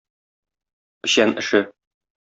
Печән эше